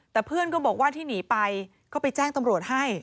แต่เพื่อนก็บอกว่าที่หนีไปก็ไปแจ้งตำรวจให้